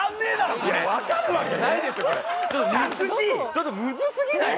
ちょっとむずすぎない？